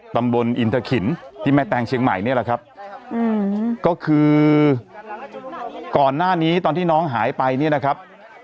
ตำบลอินทะขินที่แม่แตงเชียงใหม่นี่แหละครับก็คือก่อนหน้านี้ตอนที่น้องหายไปเนี่ยนะครับ